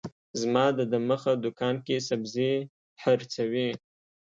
زما د دوکان مخه کي سبزي حرڅوي